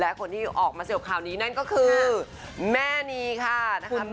และคนที่ออกมาเสื้อข่าวนี้นั่นก็คือแม่งีค่า